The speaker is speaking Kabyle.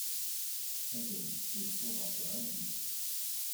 Azrem ileḥḥu ɣef uɛeddis.